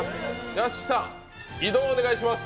屋敷さん移動をお願いします。